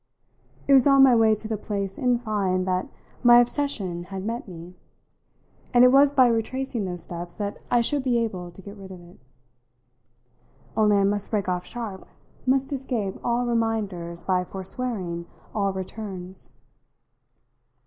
It was on my way to the place, in fine, that my obsession had met me, and it was by retracing those steps that I should be able to get rid of it. Only I must break off sharp, must escape all reminders by forswearing all returns.